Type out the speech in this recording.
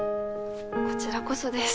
こちらこそです